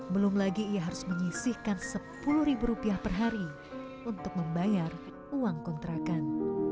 belum lagi ia harus menyisihkan rp sepuluh per hari untuk membayar uang kontrakan